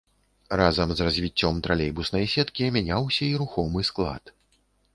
Разам з развіццём тралейбуснай сеткі мяняўся і рухомы склад.